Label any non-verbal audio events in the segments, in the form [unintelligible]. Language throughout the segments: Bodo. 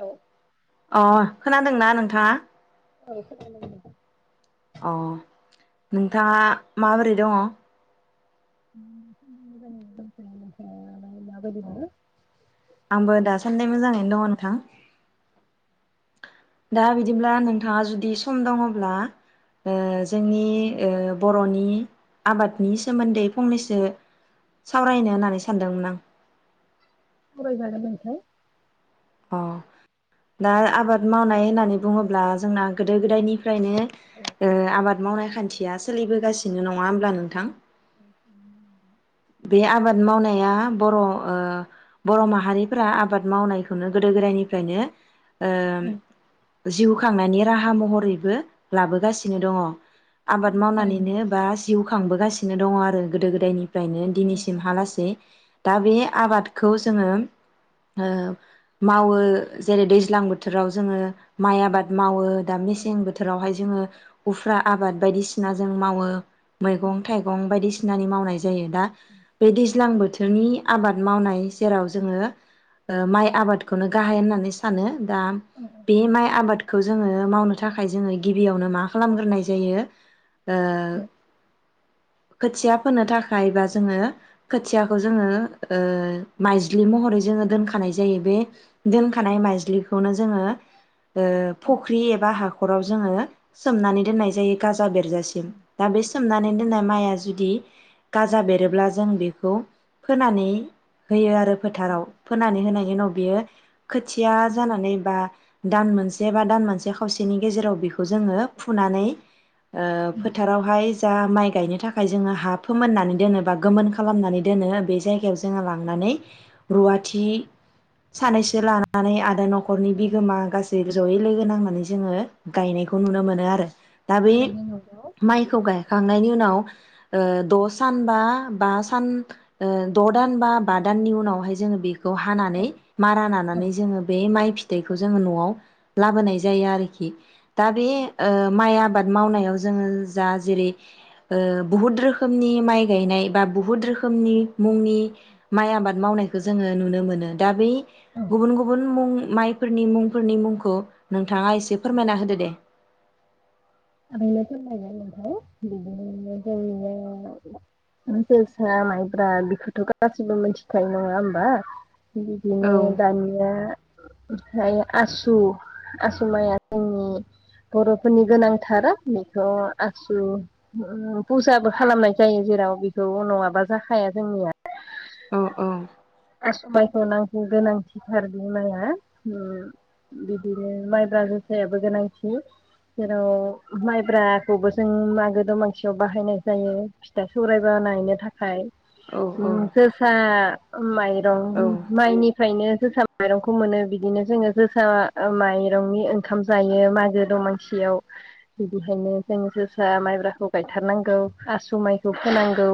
औ। अ' खोनादोंना नोंथाङा? ओं खोनादों [unintelligible] अ' नोंथाङा माबोरै दङो? मोजांयैनो दं थयो नोंथाङालाय मा बादि दङो? आंबो दासान्दि मोजाङैनो दङो नोंथां। दा बिदिब्ला नोंथाङा जुदि सम दङब्ला ओ जोंनि ओ बर'नि आबादनि सोमोन्दै फंनैसो सावरायनो होननानै सानदोंमोन आं। जागोन दे नोंथां। अ' दा आबाद मावनाय होननानै बुङोब्ला जोंना गोदो गोदायनिफ्रायनो औ ओ आबाद मावनाय खान्थि थिया सोलिबोगासिनो नङा होमब्ला नोंथां? ओं बे आबाद मावनाया बर' ओ बर' माहारिफोरा आबाद मावनाय खौनो गोदो गोदायनिफ्रायनो ओम औ जिउ खांनायनि राहा महरैबो लाबोगासिनो दङ। आबाद थारैनो मावनानैनो बा जिउ खांबोगास सिनो दङ आरो गोदो गोदायनि फ्रायनो औ औ दिनैसिमहालासेै दा बे आबादखौ ज जोङो म ओ मावो जेरै दैज्लां बोथोराव जोङो माइ औ आबाद मावो दा मेसें बोथोरावहाय जोङो उफ्रा आबाद बायदिसिना जों मावो मैगं -थाइगं बायदिस सिनानि मावनाय ज जायो दा बे दैज्लां बोथ थोनि आबाद मावनाय जेराव जोङो ओ माइ आबाद खौनो गाहाइ होननानै सानो दा औ बे माइ आबादखौ ज जोङो मावनो थाखाय जोङो गिबियावनो मा खालामग्रोनाय जायो ओ औ खोथिया फोनो थाखाय बा जोङो खोथियाखौ जोङो ओ ओ माइज्लि महरै जोङो दोनखानाय जायो बे दोनखानाय माइज्लिखौनो ज जोङो ओ फख्रि एबा हाखराव जोङो सोमनानै दोननाय जायो गाजा बेरजासिम दा बेस सोमनानै दोननाय माइया जुदि गाजा बेरोब्ला जों बेखौ फोनानै होयो आरो फोथाराव फोनानै होनायनि उनाव बेयो खोथिया जानानै बा दान मोनसे बा दान मोनसे खावसेनि गेजेराव बेखौ जोङो फुनानै ओ फोथारावहाय ज जा माइ गायनो थाखाय जोङो हा फोमोननानै दोनो बा गोमोन खालामनानै दोनो बे जायगायाव जोङो लांनानै रुवाथि स सानैसो लानानै आरो न'ख खरनि बिगोमा गास सिबो जयै लोगो नांनानै जोङो गायनायखौ नुनो मोनो आरो दा बे थारैनो नंगौ माइखौ औ गायखांनायनि उनाव ओ द सान बा बा स सान ओ द दान बा दाननि उनावहाय जोङो बेख खौ औ हानानै मारा औ नानानै जोङो बे माइ फिथाइखौ जोंङो न'आव लाबोनाय जायो आरोखि दा बे ओ माइ आबाद मावनायाव जोङो जा जेरै ओ बुहुद रोखोमनि माइ गायनाय बा बुहुत रोखोमनि मुंनि माइ आबाद मावनायखौ जोङो नुनो मोनो दा बि गुबुन गुबुन मुं माइफोरनि मुंफोरनि मुंखौ नों नोंथाङा एसे फोरमायना होदो दे। आओैनो सायबाय नोंथाय बिदिनो ज जोसा माइब्रा बेखौथ' गाैबो मिथिखायो नङा होमबा। औ बिदिनो दानिया ओमफ्राय आसु आसु माइया जोंनि बर'फोरनि गोनां थारा बेखौ आसु फुजाबो खालामनाय जायो जेराव बेखौ उनाव माबा जाखाया जोंनिया औ औ। सबाइखौ नांगौ गोनांथिथार बि माइआ बिदिनो माइब्रा जोसायाबो गोनांथि जेराव माइब्राखौबो जों मागो दमासियाव बाहायनाय जायो फिथा सौराय ब ानायनो थाखाय औ औ। [unintelligible] औ माइरं माइनिफ्रायनो जोसा माइरंखौ मोनो बिदिनो जोङो जोसा माइरंनि ओंखाम जायो मागो दमासियाव बिदिहायनो जोंङ जोसा माइब्राखौ गायथारनांगौ आसु माइखौ फोनांगौ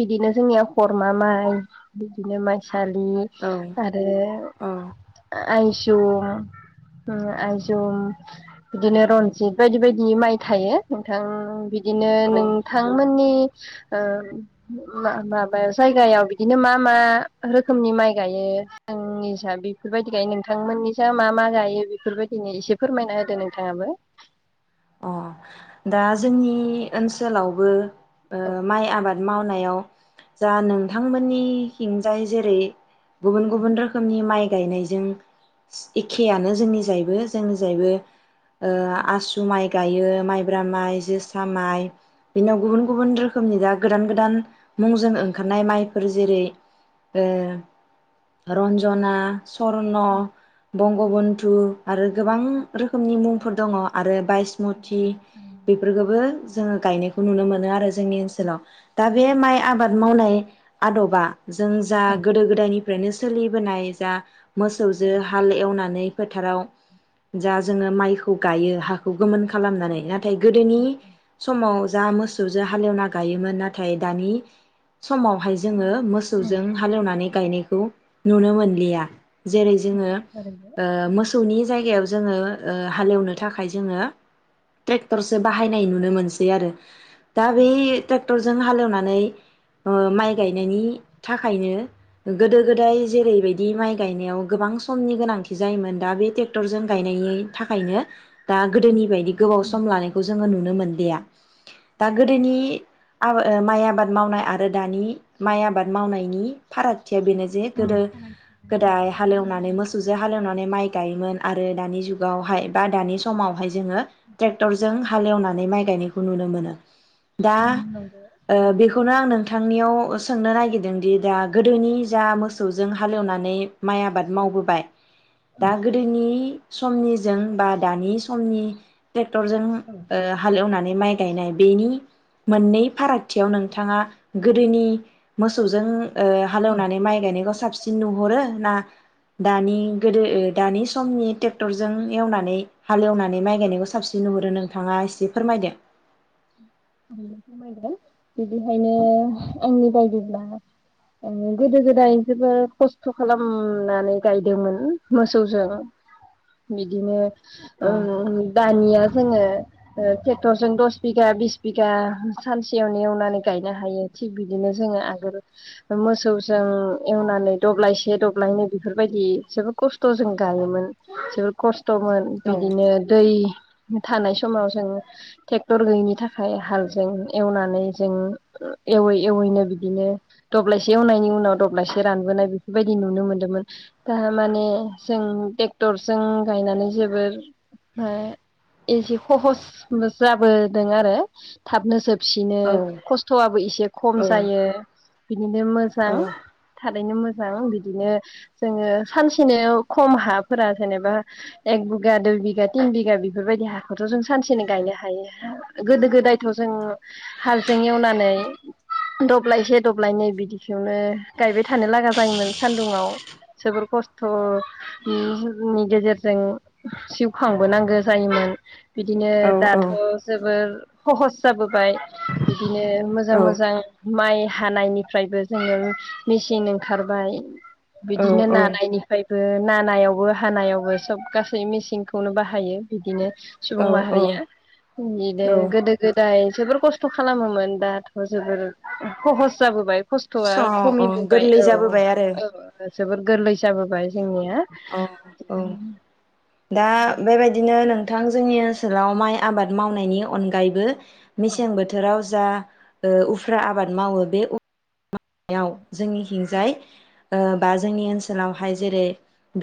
बिदिनो जोंनिया खरमा माइ बिदिनो माइ सारनि औ आरो औ आइजुम आइजुम बिदिनो रन्जित बायदि बायदि माइ थायो नोंथां बिदिनो औ नोंथांमोननि माबायाव जायगायाव बिदिनो मा मा रोखोमनि माइ गायो आंनिसा बेफोरबायदि गायो नोंथांमोननिसा मा मा गायो बेफोरबायदिनो एसे फोरमायना होदो नोंथाङाबो। अ दा जोंनि ओनसोलावबो ओ औ माइ आबाद मावनायाव जा नोंथांमोननि खिंजाय जेरै गुबुन गुबुन रोखोमनि माइ गायनायजों एखेयानो जोंनि जायैबो जोंनि जायबो ओ आसु माइ गायो माइ जब्रा माइ जोसा माइ बेनाव गुबुन गुबुन रोखोमनि दा गोदान गोदान मुंजों ओंखारनाय माइफोर जेरै रन्जना सरन' बंगबन्धु आरो गोबां रोखोमनि मुं फोर दङ आरो बाइसमथि बेफोरखौबो जोङो गायनायखौ नुनो मोनो आरो। जोंनि ओनसोलाव दा बे माइ आबाद आबाद मावनाय आदबा जों जा गोदो गोदायनि फ्रायनो सोलिबोनाय जा मोसौजो हाल एवनानै फोथाराव ज [inaudible] जोो माइखौ गायो हाखौ गोमोन [inaudible] खालामनानै आरो [inaudible] नाथाय गोदोनि समाव जा मोसौजों हालेवना गायोमोन नाथाय दानि समावहाय जोङो मोसौजों हालेवनानै गायनायखौ नुनो मोनलिया जेरै जोङो मोसौनि ओ जायगायाव जोङो ओ हालेवनो थाखाय जोङो ट्रेक्टरसो बाहायनाय नुनो मोनसै सै आरो दा बे ट्रेक्टरजों हालएवनाय नानै माइ गायनायनि थाखायनो गोदो-गोदाय जेरैबायदि माइ गायनायाव गोबां समनि गोनांथि जायोमोन दा बे ट्रेक्टरजों गायनायनि थाखायनो दा गोदोनि बायदि गोबाव बेखौ जोङो नुनो मोनलिया दा गोदोनि ओ माइ आबाद मावनाय आरो दानि माइ आबाद मावनायनि फाराग थिया बेनो जे गोदो गोदाय हालेवनानै मोसौजों हालेवनानै माइ गायोमोन आरो दानि जुगावहाय बा दानि समावहाय जोङो ट्रेक्टरजों हालेवनानै माइ गायनायखौ नुनो मोनो दा ओ बेखौनो आं नोंथांनियाव सोंनो नागिरदों दि दा गोदोनि जा मोसौजों हालेवनानै माइ आबाद मावबोबाय दा गोदोनि समनि जों बा दानि समनि जों हालेवनानै माइ गायनाय बेनि मोननै फारागथियाव नोंथाङा गोदोनि मोसौजों ओ हालौवनानै माइ गायनाय गस साबसिन नुह'रो ना दानि गोदो ओ दानि समनि ट्रेक्टरजों एवनानै हालेवनानै माइ गायनायखौ साबसिन नुहुरो नोंथाङा एसे फोरमायदो आं फोरमायगोन बिदिखायनो आंनि बायदिब्ला ओ गोदो गोदाय जोबोद खस्थ' खालामनानै गायदोंमोन मोसौजों बिदिनो ओ औ दानिया जोङो ओ ट्रेक्टरजों दस बिगा बिस बिगा सानसेयावनो एवनानै गायनो हायो थिग बिदिनो जोङो आगोल मोसौजों एवनानै दब्लायसे दब्लायनै बेफोरबायदि जोबोर खस्थ' जों गायोमोन जोबोर खस्थ खस्थ'मोन बिदिनो दै थानाय समाव जोङो ट्रेक्टर गैयैनि थाखाय हालजों एवनानै जों एवै एवैनो बिदिनो दब्लायसे एवनायनि उनाव दब्लायसे रानबोनाय बेफोरबायदि नुनो मोनदोंमोन दा माने जों ट्रेक्टरजों गायनानै जोबोर ओ एसे सहसबो जाब बो दों आरो थाबनो जोब सिनो औ खस्थ'आबो एसे खम औ जायो। बिदिनो मोजां औ थारैनो मोजां बिदिनो जोङो सानसेनो खम हाफोरा जेनेबा एक बिगा दुइ बिगा तिन बिगा बेफोरबायदि हाखौथ' जों सानसेनो गायनो हायो। गोदो गोदायथ' जों हालजों एवनानै दब्लायसे दब्लायनै बिदिखौनो गायबाय थानो लागा जायोमोन सानदुुंङाव जोबोर खस्थ'नि गेजेरजों जिउ खांबोनांगौ जायोमोन। बिदिनो औ औ दाथ' जोबोर सहस जाबोबाय। बिदिनो मोजां मोजां। औ माइ हानायनिफ्रायबो जोङो मेचिन ओंखारबाय। बिदिनो नानायनिफ्राय नानायावबो हानायावबो सब गासै मेसिंखौनो बाहायो बिदिनो औ सुबुं माहारिया बिदिनो औ गोदो गोदाय जोबोर खस्थ' खालामोमोन दाथ' जोबोर सहस जाबोबाय। खस्थ'आ स' अ खमिबोबाय गोरलै औ जाबोबाय आरो औ जोबोर गोरलै जाबोबाय। जोङो। [inaudible] औ औ दा बेबायदिनो नोंथां जोंनि ओनसोलाव माइ आबाद मावनायनि अनगायैबो मेसें बोथोराव जा उफ्रा आबाद मावो बे याव जोंनि हिंजाय बा जोंनि ओनसोलावहाय जेरै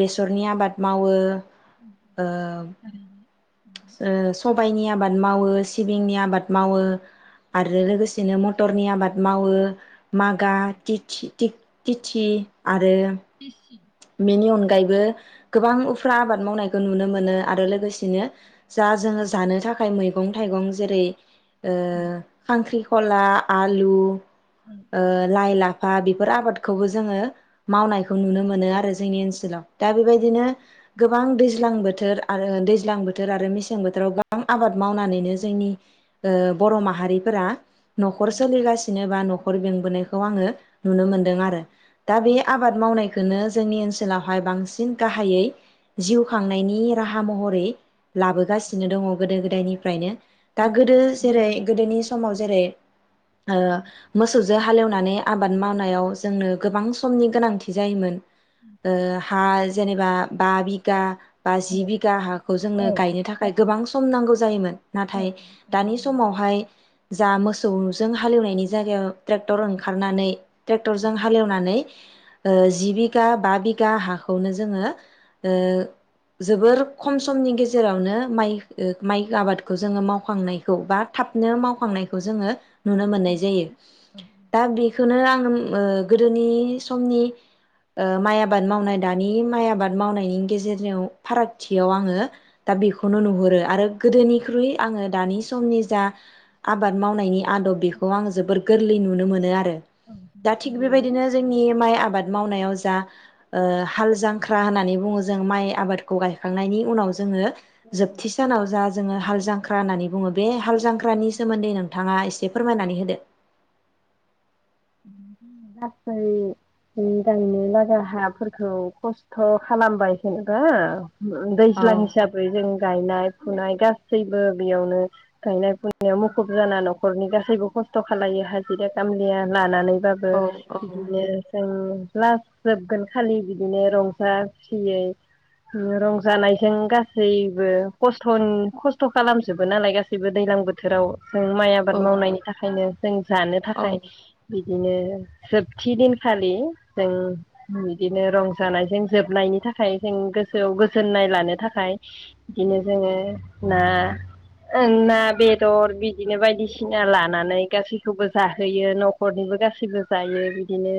बेसरनि आबाद मावो। ओ सबायाइनि आबाद मावो सिबिंनि आबाद मावो आरो लोगोसेनो मटरनि आबाद मावो। मागा, थिसि तिसि आरो आरो बेनि अनगायैबो गोबां उफ्रा आबाद मावनायखौ नुनो मोनो आरो लोगोसेनो जा जोङो जानो थाखाय आरो मैगं थाइगं जेरै खांख्रि खला, आलु ओ लाइ-लाफा बे फोर आबादखौबो जोङो मावनायखौ नुनो मोनो आरो जोंनि ओनसोलाव दा बेबायदिनो गोबां दैज्लां बोथोर आरो दैज्लां बोथोर आरो मेसें बोथोराव गोबां आबाद मावनानैनो जोंनि ओ बर' माहारिफोरा न'खर सोलिगासिनो बा न' खर बेंबोनायखौ आङो नुनो मोनदों आरो दा बे आबाद मावनाय खौनो जोंनि ओनसोलावहाय बांसिन गाहायै जिउ खांनायनि राहा महरै लाबोगासिनो दङ' गोदो गोदायनिफ्रायनो। दा गोदो जेरै गोदोनि समाव जेरै ओ मोसौजो हालेवनानै आबाद मावनायाव जोंनो गोबां समनि गोनांथि जायोमोन। ओ हाज जेनेबा बा बिघा बाजि बिघा हाखौ जोङो गायनो थाखाय गोबां सम नांगौ जायोमोन। नाथाय दानि समावहाय जा मोसौजों हालौनायनि जायगायाव ट्रेक्टर ओंखारनानै ट्रेक्टरजों हालेवनानै ओ जि बिघा बा बिघा हाखौनो जोङो ओ जोबोर खम समनि गेजेरावनो माइ माइ आबादखौ जोङो मावखांनायखौ बा थाबनो मावखांनायखौ जोङो नुनो मोननाय जायो। दा बेखौनो आङो ओ गोदोनि समनि ओ माइ आबाद मावनाय दानि माइ आबाद मावनायनि गेजेरनियाव फारागथियाव आङो दा बेखौनो नुहुरो आरो गोदोनिख्रुइ आङो दानि समनि जा आबाद मावनायनि आदब बेखौ आङो जोबोर गोरलै नुनो मोनो आरो। दा थिग बेबायदिनो जोंनि माइ आबाद मावनायाव जा ओ हाल जांख्रा होननानै बुङो जों माइ आबादखौ गायखांनायनि उनाव जोङो जोबथि सानाव जा जोङो हाल जां ख्रा होननानै बुङो बे हाल जांख्रानि सोमोन्दै नोंथाङा एसे फोरमायनानै होदो। गासै गायनो लागा हाफोरखौ खस्थ' खालामबाय जेनबा दैज्लां औ हिसाबै जों गायनाय फुनाय गासैबो बेयावनो गायनाय फुनायाव मुखुब जाना न'खरनि गासैबो खस्थ' खालायो हाजिरा खामलिया लानानै बाबो औ बिदिनो जों लास जोबगोन खालि बिदिनो रंजा खुसियै रंजानायजों गासैबो खस्थ'नि खस्थ' खालामजोबो नालाय गासैबो दैलां बोथोराव जों माइ आबाद औ मावनायनि थाखायनो जों जानो औ थाखाय बिदिनो जोबथि दिनखालि जों बिदिनो रंजानायजों जोबनायनि थाखाय जों गोसोआव गोजोननाय लानो थाखाय बिदिनो जोङो ना ना बेदर बिदिनो बायदिसिना लानानै गासैखौबो जाहोयो न' खरनिबो गासैबो जायो बिदिनो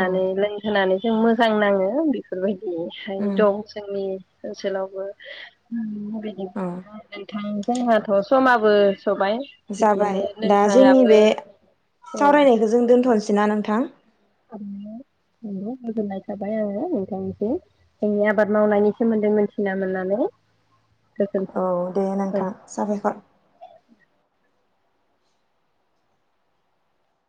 औ लोंहोनानै जों मोजां नाङो बेफोरबायदि बेहाय उम दं जोंनि ओनसोलावबो [unintelligible] औ नोंथां जोंहाथ' समाबो सबाय जाबाय बिदिनो दा जोंनि नोंथाङाबो बे औ सावरायनायखौ जों दोन्थ'नोसै ना नोंथां। [inaudible] गोजोननाय थाबाय आङो नोंथांनिसिम जोंनि आबाद मावनायनि सोमोन्दै मिथिना मोननानै। गोजोनथों औ दे औ नोंथां साबायखर।